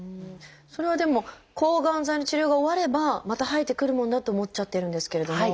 それはでも抗がん剤の治療が終わればまた生えてくるものだって思っちゃってるんですけれども。